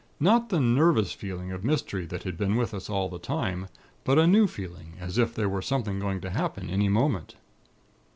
Not the nervous feeling of mystery that had been with us all the time; but a new feeling, as if there were something going to happen any moment.